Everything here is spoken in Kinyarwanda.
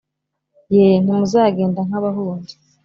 Ye ntimuzagenda nk abahunze